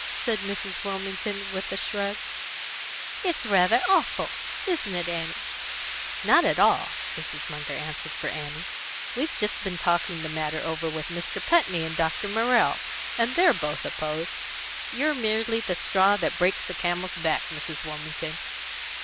said Mrs. Wilmington, with a shrug. "It's rather awful isn't it, Annie?" "Not at all!" Mrs. Munger answered for Annie. "We've just been talking the matter over with Mr. Putney and Dr. Morrell, and they're both opposed. You're merely the straw that breaks the camel's back, Mrs. Wilmington."